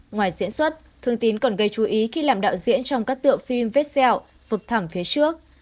ngoài diễn xuất thương tín còn gây chú ý khi làm đạo diễn trong các tựa phim vết xẹo vực thẳng phía trước